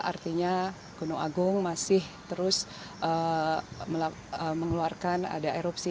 artinya gunung agung masih terus mengeluarkan ada erupsi